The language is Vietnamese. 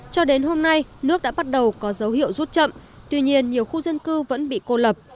cho đến hôm nay nước đã bắt đầu có dấu hiệu rút chậm tuy nhiên nhiều khu dân cư vẫn bị cô lập